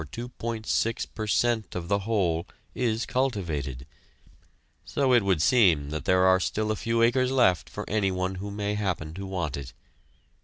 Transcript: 6 per cent of the whole, is cultivated, so it would seem that there are still a few acres left for anyone who may happen to want it.